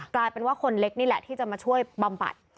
กลายเป็นว่าคนเล็กนี่แหละที่จะมาช่วยบำบัด